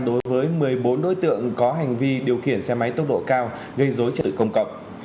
đối với một mươi bốn đối tượng có hành vi điều khiển xe máy tốc độ cao gây dối trật tự công cộng